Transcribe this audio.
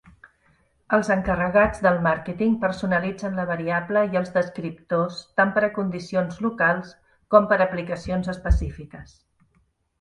Els encarregats del màrqueting personalitzen la variable i els descriptors tant per a condicions locals com per a aplicacions específiques.